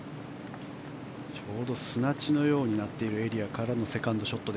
ちょうど砂地のようになっているエリアからのセカンドショット。